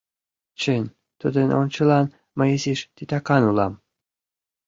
Чын, тудын ончылан мый изиш титакан улам.